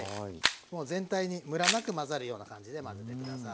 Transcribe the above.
もう全体にむらなく混ざるような感じで混ぜて下さい。